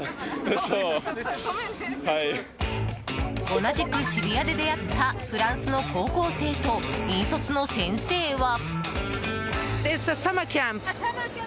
同じく渋谷で出会ったフランスの高校生と引率の先生は。